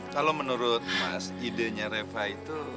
kalau menurut mas ide nya reva itu